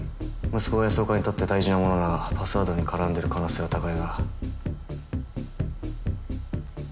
息子が安岡にとって大事なものならパスワードに絡んでいる可能性は高いが。